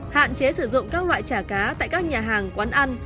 hạn chế sử dụng các loại chả cá tại các nhà hàng quán ăn